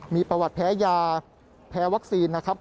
มีประวัติแพ้ยาแพ้วัคซีนนะครับ